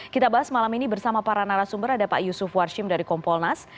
kita bahas malam ini bersama para narasumber ada pak yusuf warshim dari kompolnas